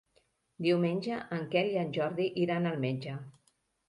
Diumenge en Quel i en Jordi iran al metge.